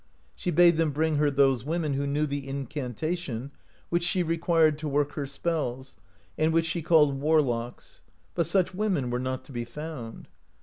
She bade them bring her those women, who knew the incantation, which she required to work her spells, and which she called War locks ; but such women were not to be found.